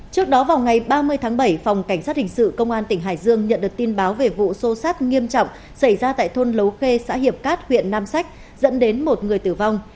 trước đó vào ngày ba mươi tháng bảy phòng cảnh sát hình sự công an tỉnh hải dương nhận được tin báo về vụ xô xát nghiêm trọng xảy ra tại thôn lấu khê xã hiệp cát huyện nam sách dẫn đến một người tử vong